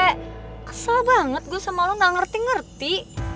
kesel banget gue sama lo gak ngerti ngerti